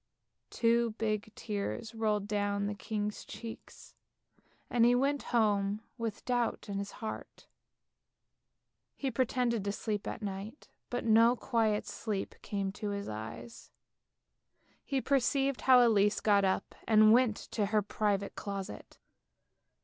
Two big tears rolled down the king's cheeks, and he went home with doubt in his heart. He pretended to sleep at night, but no quiet sleep came to his eyes. He perceived how Elise got up and went to her private closet.